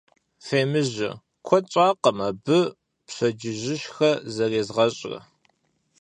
Фемыжьэ, куэд щӀакъым абы пщэдджыжьышхэ зэрезгъэщӀрэ.